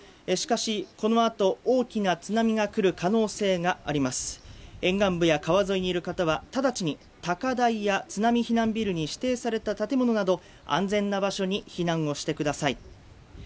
しかし、この後、大きな津波が来る可能性があります、沿岸部や川沿いにいる方は直ちに高台や津波避難ビルに指定された建物など安全な場所に避難をしてください。